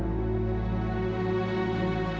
masa itu kita berdua